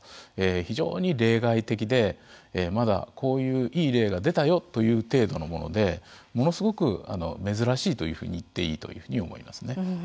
非常に例外的で、まだこういういい例が出たよという程度のものでものすごく珍しいというふうに言っていいというふうに思いますね。